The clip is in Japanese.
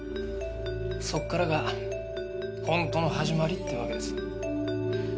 そこからがほんとの始まりってわけです。